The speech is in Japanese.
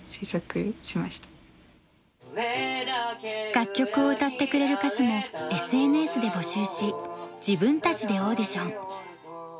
楽曲を歌ってくれる歌手もＳＮＳで募集し自分たちでオーディション。